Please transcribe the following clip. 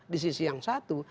di sisi yang satu